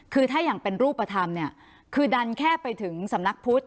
คือถ้าอย่างเป็นรูปธรรมเนี่ยคือดันแค่ไปถึงสำนักพุทธ